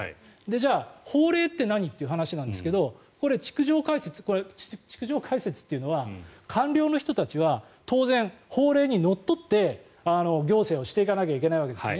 じゃあ、法令って何？という話なんですけどこれ、「逐条解説」というのは官僚の人たちは当然、法令にのっとって行政をしていかないといけないわけです。